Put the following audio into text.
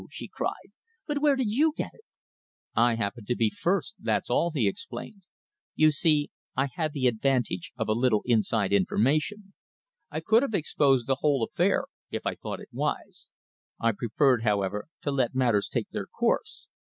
she cried, "But where did you get it?" "I happened to be first, that's all," he explained. "You see, I had the advantage of a little inside information. I could have exposed the whole affair if I had thought it wise. I preferred, however, to let matters take their course.